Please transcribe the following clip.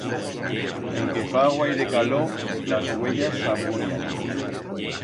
En que fa guaire calor las uellas s'amurian.